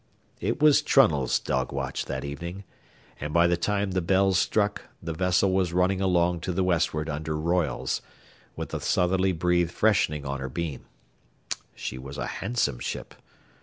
It was Trunnell's dog watch that evening, and by the time the bells struck the vessel was running along to the westward under royals, with the southerly breeze freshening on her beam. She was a handsome ship.